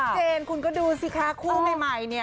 เจนคุณก็ดูสิคะคู่ใหม่เนี่ย